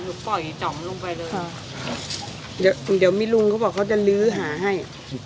เปิดปล่อยจำลงไปเลยค่ะเดี๋ยวอีเดียวมีลุงเขารู้ว่าเขาจะลือหาให้